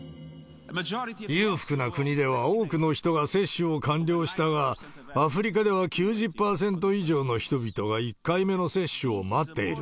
裕福な国では多くの人が接種を完了したが、アフリカでは９０％以上の人々が１回目の接種を待っている。